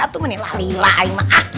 aduh menilai lilai mah